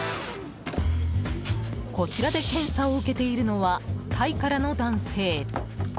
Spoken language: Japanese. こちらで検査を受けているのはタイからの男性。